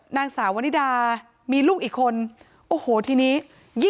นางสาวนิดาก็รับจ้างขายของไป